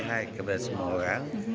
saya sehat kepada semua orang